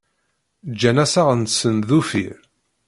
Ǧǧan assaɣ-nsen d uffir.